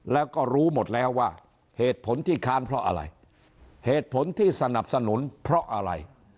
แล้วก็รู้หมดแล้วว่าเหตุผลที่ค้านเพราะอะไรเหตุผลที่สนับสนุนเพราะอะไร